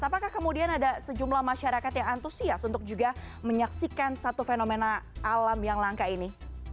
apakah kemudian ada sejumlah masyarakat yang antusias untuk juga menyaksikan satu fenomena alam yang langka ini